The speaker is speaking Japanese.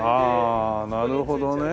あなるほどね。